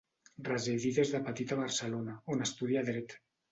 Residí des de petit a Barcelona, on estudià dret.